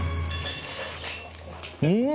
うん！